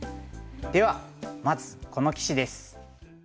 ではまずこの棋士です。